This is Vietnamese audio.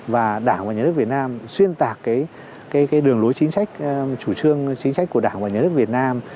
và đảng và nhà nước việt nam xuyên tạc cái đường lối chính sách chủ trương chính sách của đảng và nhà nước việt nam